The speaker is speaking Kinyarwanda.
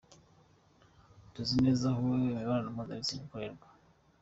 Tuzi neza aho imibonano mpuzabitsina ikorerwa.